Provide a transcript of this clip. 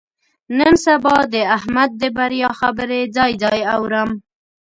نن سبا د احمد د بریا خبرې ځای ځای اورم.